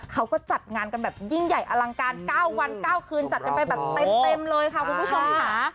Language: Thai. เขาก็จัดงานกันแบบยิ่งใหญ่อลังการ๙วัน๙คืนจัดกันไปแบบเต็มเลยค่ะคุณผู้ชมค่ะ